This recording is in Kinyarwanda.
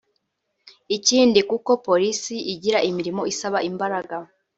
Ikindi kuko polisi igira imirimo isaba imbaraga